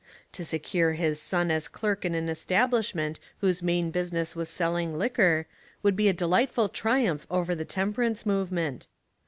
To secure his son as clerk in ar\ establish ment whose main business was selling liquor would be a delightful triumph over the temper ance movement.